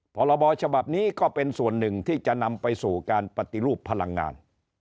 พรบฉบับนี้ก็เป็นส่วนหนึ่งที่จะนำไปสู่การปฏิรูปพลังงาน